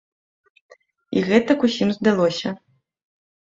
І гэтак усім здалося.